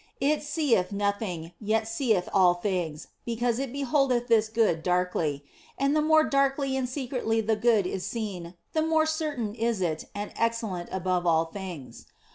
It seeth nothing, yet seeth all things, because it beholdeth this Good darkly and the more darkly and secretly the Good is seen, the more certain is it, and excellent above all things.